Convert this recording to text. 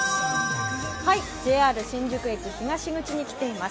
ＪＲ新宿駅東口に来ています。